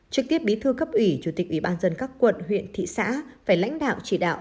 trực tiếp bí thư cấp ủy chủ tịch ubnd các quận huyện thị xã phải lãnh đạo chỉ đạo